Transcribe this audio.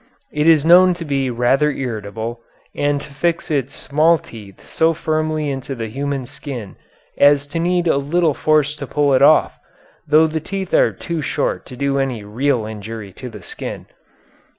It is known to be rather irritable, and to fix its small teeth so firmly into the human skin as to need a little force to pull it off, though the teeth are too short to do any real injury to the skin.